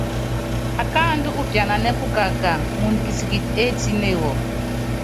Akáaandú úpiananɛ́ pukaká, muundɔ kitikiti étíne wɔ.